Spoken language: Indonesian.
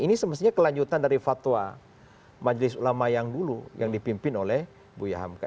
ini semestinya kelanjutan dari fatwa majelis ulama yang dulu yang dipimpin oleh buya hamka